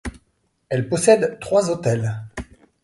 Elle possède trois autels.